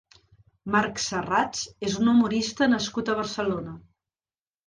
Marc Sarrats és un humorista nascut a Barcelona.